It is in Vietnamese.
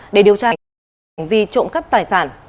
để điều tra hành vi trộm cắp tài sản